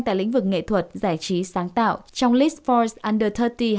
tại lĩnh vực nghệ thuật giải trí sáng tạo trong list forbes under ba mươi hai nghìn hai mươi hai